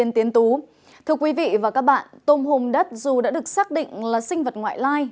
thưa quý vị và các bạn tôm hùm đất dù đã được xác định là sinh vật ngoại lai